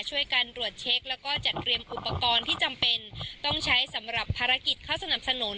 ช่วยกันรวดเช็คแล้วก็จัดเตรียมอุปกรณ์ที่จำเป็นต้องใช้สำหรับภารกิจเข้าสนับสนุน